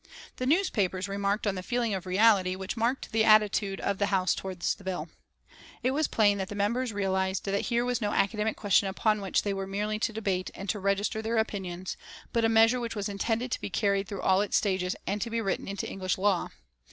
The newspapers remarked on the feeling of reality which marked the attitude of the House towards the bill. It was plain that the members realised that here was no academic question upon which they were merely to debate and to register their opinions, but a measure which was intended to be carried through all its stages and to be written into English law.